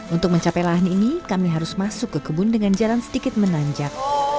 untuk mencapai lahan ini kami harus masuk ke kebun dengan jalan sedikit menanjak